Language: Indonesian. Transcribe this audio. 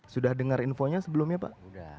sudah dengar infonya sebelumnya pak